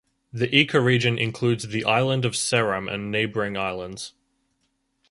The ecoregion includes the island of Seram and neighboring islands.